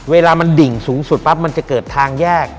เวลามันดิ่งสูงสุดปั๊บมันจะเกิดทางแยก